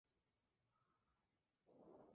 Fluye en dirección noroeste.